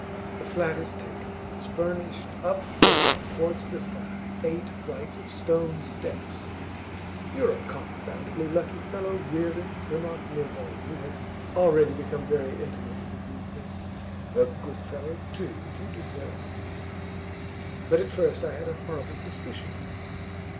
The flat is taken, is furnished, up there towards the sky, eight flights of stone steps. 'You're a confoundedly lucky fellow, Reardon,' remarked Milvain, who had already become very intimate with his new friend. 'A good fellow, too, and you deserve it.' 'But at first I had a horrible suspicion.